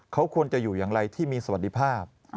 เขาควรจะอยู่อย่างไรที่มีสวัสดิภาพ